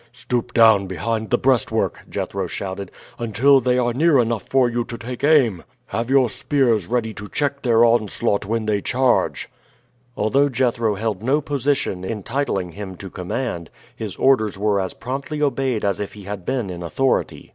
"Stoop down behind the breastwork," Jethro shouted, "until they are near enough for you to take aim. Have your spears ready to check their onslaught when they charge." Although Jethro held no position entitling him to command, his orders were as promptly obeyed as if he had been in authority.